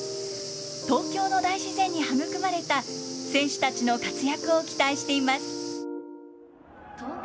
東京の大自然に育まれた選手たちの活躍を期待しています。